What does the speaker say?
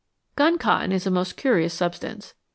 Gun cotton is a most curious substance.